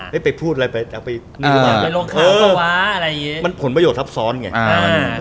ไปพูดอะไรไปลดเคล้ากระวะอะไรอย่างงี้มันผลประโยชน์ทับซ้อนไง